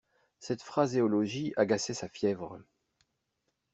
Cette phraséologie agaçait sa fièvre.